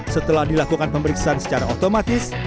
setelah dilakukan pemeriksaan secara otomatis